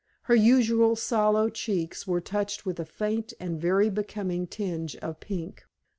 Her usually sallow cheeks were touched with a faint and very becoming tinge of pink.